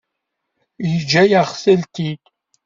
Yeǧǧa-yaɣ-tent-id?